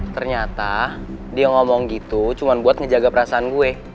ternyata dia ngomong gitu cuma buat ngejaga perasaan gue